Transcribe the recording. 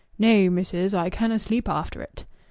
"Nay, missis! I canna' sleep after it."